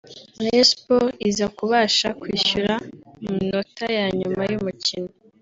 Rayon Sports iza kubasha kwishyura mu minota ya nyuma y’umukino